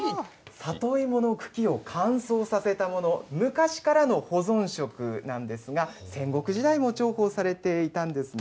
里芋の茎を乾燥させたもの、昔からの保存食なんですが、戦国時代も重宝されていたんですね。